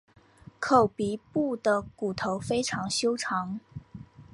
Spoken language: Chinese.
口鼻部的骨头非常修长。